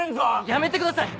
やめてください！